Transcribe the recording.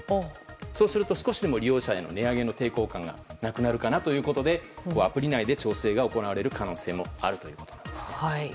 そうすると少しでも利用者の値上げの抵抗感がなくなるかなということでアプリ内で調整が行われる可能性もあるということです。